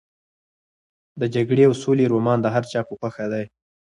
د جګړې او سولې رومان د هر چا په خوښه دی.